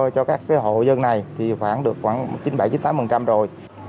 cho các hộ dân này thì khoảng được khoảng chín mươi bảy chín mươi tám rồi